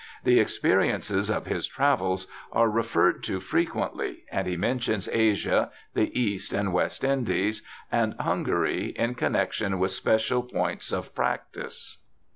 The experi ences of his travels are referred to frequently, and he mentions Asia, the East and West Indies, and Hungary, in connexion with special points in practice.